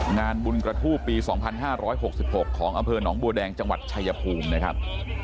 นณบุญกระทูปปีสองพันห้าร้อยหกสิบหกของจังหวัดชายภูมินะครับ